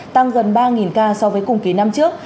tăng gần ba ca so với cùng kỳ năm trước